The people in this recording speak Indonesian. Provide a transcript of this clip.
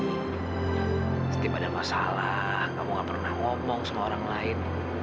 pasti pada masalah kamu nggak pernah ngomong sama orang lain